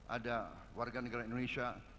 ada warga negara indonesia